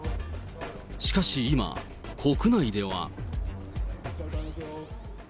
しかし今、国内では。